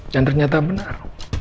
dan ternyata benar